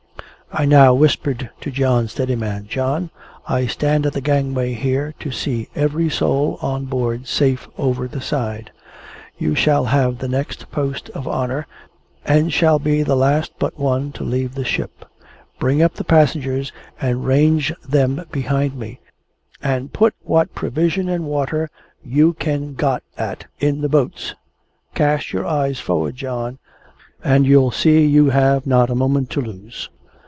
I now whispered to John Steadiman, "John, I stand at the gangway here, to see every soul on board safe over the side. You shall have the next post of honour, and shall be the last but one to leave the ship. Bring up the passengers, and range them behind me; and put what provision and water you can got at, in the boats. Cast your eye for'ard, John, and you'll see you have not a moment to lose."